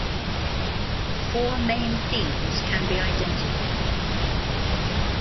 Four main themes can be identified.